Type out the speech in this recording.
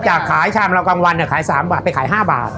จากขายชามเรากลางวันเนี่ยขาย๓บาทไปขาย๕บาท